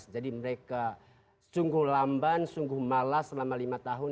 jadi mereka sungguh lamban sungguh malas selama lima tahun